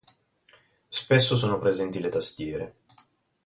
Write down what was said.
Spesso sono presenti le tastiere.